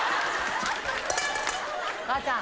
母ちゃん。